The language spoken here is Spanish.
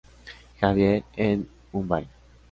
Xavier" en Mumbai.